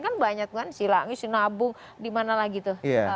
kan banyak kan silami sinabung dimana lagi tuh